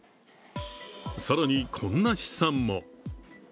更に、こんな試算も。